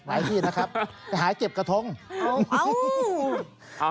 หลายที่นะครับหายเจ็บกระทงอ้าวอ้าว